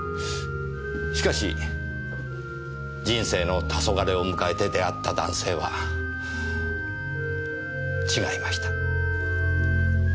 しかし人生の黄昏を迎えて出会った男性は違いました。